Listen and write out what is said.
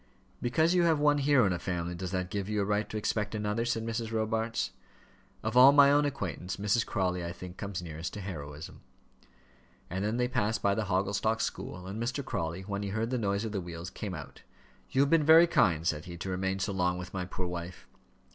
"Because you have one hero in a family, does that give you a right to expect another?" said Mrs. Robarts. "Of all my own acquaintance, Mrs. Crawley, I think, comes nearest to heroism." And then they passed by the Hogglestock school, and Mr. Crawley, when he heard the noise of the wheels, came out. "You have been very kind," said he, "to remain so long with my poor wife."